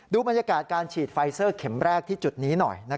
บรรยากาศการฉีดไฟเซอร์เข็มแรกที่จุดนี้หน่อย